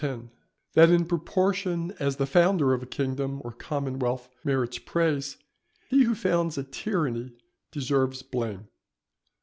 —_That in proportion as the Founder of a Kingdom or Commonwealth merits Praise, he who founds a Tyranny deserves Blame.